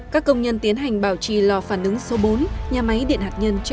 các công nhân tiến hành bảo trì lò phản ứng số bốn nhà máy điện hạt nhân châu